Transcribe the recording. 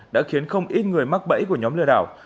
đã khiến không ít người mắc bẫy của nhóm lừa đảo